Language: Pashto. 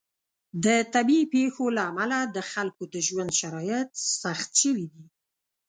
د طبیعي پیښو له امله د خلکو د ژوند شرایط سخت شوي دي.